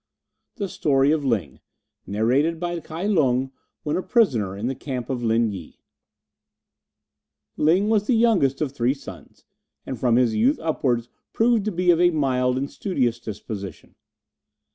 THE STORY OF LING Narrated by Kai Lung when a prisoner in the camp of Lin Yi. Ling was the youngest of three sons, and from his youth upwards proved to be of a mild and studious disposition.